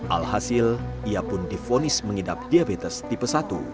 alhasil ia pun difonis mengidap diabetes tipe satu